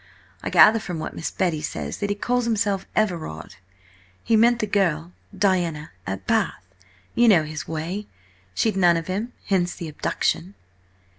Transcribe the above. I gather from what Miss Betty says, that he calls himself Everard. He met the girl–Diana–at Bath; you know his way. She'd none of him: hence the abduction."